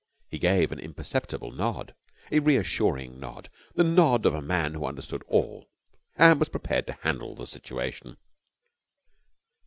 He gave an imperceptible nod, a reassuring nod, the nod of a man who understood all and was prepared to handle the situation.